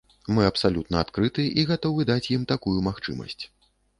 Мы абсалютна адкрыты і гатовы даць ім такую магчымасць.